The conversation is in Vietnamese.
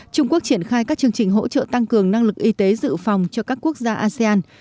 trung quốc triển khai các chương trình hỗ trợ tăng cường năng lực y tế dự phòng cho các quốc gia asean